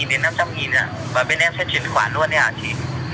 có thể nhận đến hai trăm linh đến năm trăm linh ạ và bên em sẽ chuyển khoản luôn đấy ạ chị